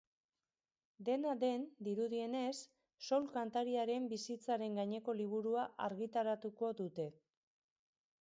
Dena den, dirudienez, soul kantariaren bizitzaren gaineko liburua argitaratuko dute.